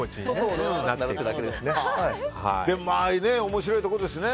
面白いところですね。